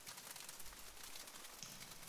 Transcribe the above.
یم مومن خان ستا په کومک راغلی یم.